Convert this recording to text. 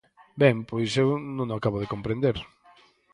Ben, pois eu non o acabo de comprender.